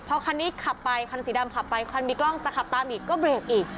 พอคันนี้ขับไปคันสีดำขับไปคันมีกล้องจะขับตามอีกก็เบรกอีก